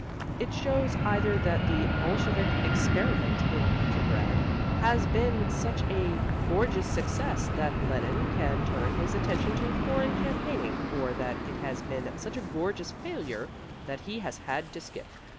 It shows either that the Bolshevik experiment in Petrograd has been such a gorgeous success that Lenine can turn his attention to foreign campaigning, or that it has been such a gorgeous failure that he has had to skip.